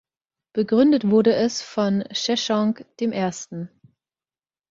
Gegründet wurde es von Scheschonq I.